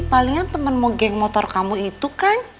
palingan temen mau geng motor kamu itu kan